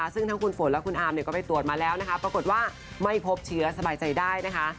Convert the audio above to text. ซึ่งทั้งคุณฝนและคุณอามก็ไปตรวจมาแล้วนะคะปรากฏว่าไม่พบเชื้อสบายใจได้นะคะ